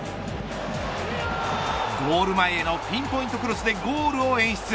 ゴール前のピンポイントクロスでゴールを演出。